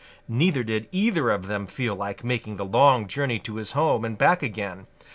Neither did either of them feel like making the long journey to his home and back again.